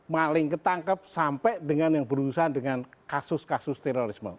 terdengar sampai dengan yang berusaha dengan kasus kasus terorisme